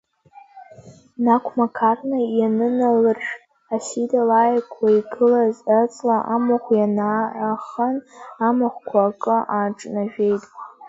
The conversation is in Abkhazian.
Днақәмақарны ианыналыршә, Асида лааигәа игылаз аҵла амахә инаахан, амахәқәа акы ааҿнажәеит.